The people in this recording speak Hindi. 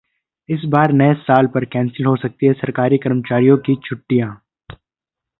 इस बार नए साल पर कैंसिल हो सकती हैं सरकारी कर्मचारियों की छुट्टियां